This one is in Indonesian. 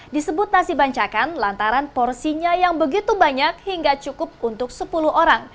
disebut nasi bancakan lantaran porsinya yang begitu banyak hingga cukup untuk sepuluh orang